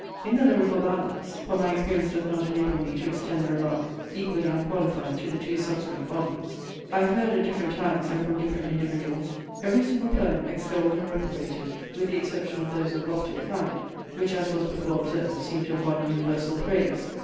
In the Lyrical Ballads, (for my experience does not enable me to extend the remark equally unqualified to the two subsequent volumes,) I have heard at different times, and from different individuals, every single poem extolled and reprobated, with the exception of those of loftier kind, which as was before observed, seem to have won universal praise.